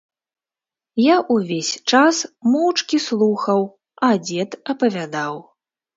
Я ўвесь час моўчкі слухаў, а дзед апавядаў.